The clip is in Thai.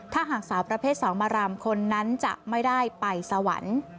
ถ้าหากสาวประเภท๒มารามคนนั้นจะไม่ได้ไปสวรรค์